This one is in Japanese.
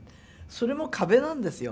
それも壁なんですよ。